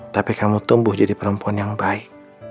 tapi kamu tumbuh jadi perempuan yang baik